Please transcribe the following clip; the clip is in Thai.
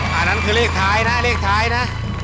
อันนั้นคือเลขท้ายนะเลขท้ายนะ